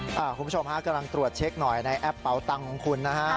คุณผู้ชมฮะกำลังตรวจเช็คหน่อยในแอปเป๋าตังค์ของคุณนะฮะ